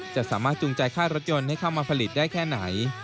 จะสามารถจูงใจค่ารถยนต์ให้เข้ามาผลิตได้แค่ไหน